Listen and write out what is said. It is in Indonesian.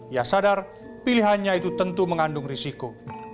ia sadar pilihannya itu tentu mengandung risiko